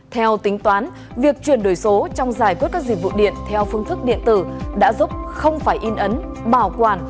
theo tính toán việc chuyển đổi số trong giải quyết các dịch vụ điện theo phương thức điện tử đã giúp không phải in ấn bảo quản